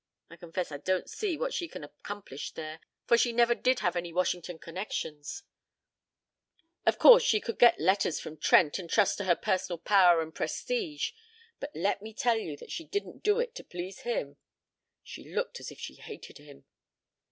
I confess I don't see what she can accomplish there, for she never did have any Washington connections of course she could get letters from Trent and trust to her personal power and prestige. But let me tell you that she didn't do it to please him. She looked as if she hated him."